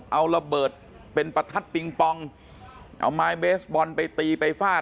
เอาระเบิดเป็นประทัดปิงปองเอาไม้เบสบอลไปตีไปฟาด